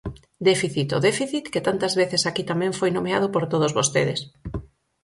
Déficit, o déficit, que tantas veces aquí tamén foi nomeado por todos vostedes.